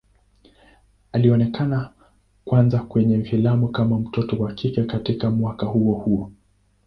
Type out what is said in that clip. Alionekana kwanza kwenye filamu kama mtoto wa kike katika mwaka huo huo.